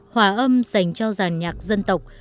hòa âm dành cho dàn nhạc dân tộc